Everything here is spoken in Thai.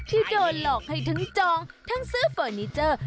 ที่โดนหลอกให้ทั้งจองทั้งซื้อเฟอร์นิเจอร์